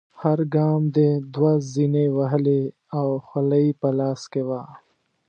هر ګام دې دوه زینې وهلې او خولۍ په لاس کې وه.